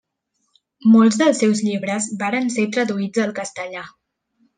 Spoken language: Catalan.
Molts dels seus llibres varen ser traduïts al castellà.